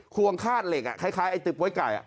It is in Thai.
ควงฆาตเหล็กอะคล้ายไอ้ตึกโบ๊ยไก่